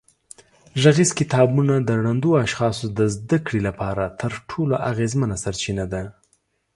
غږیز کتابونه د ړندو اشخاصو د زده کړې لپاره تر ټولو اغېزمنه سرچینه ده.